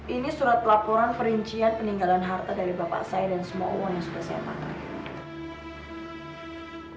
ini surat laporan perincian peninggalan harta dari bapak saya dan semua uang yang sudah saya pakai